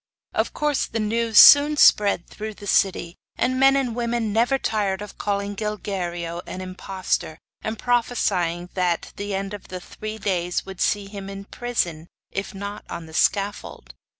Of course the news soon spread through the city, and men and women never tired of calling Gilguerillo an impostor, and prophesying that the end of the three days would see him in prison, if not on the scaffold.